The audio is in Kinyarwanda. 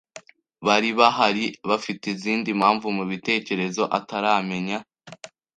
Bari bahari bafite izindi mpamvu mubitekerezo ataramenya.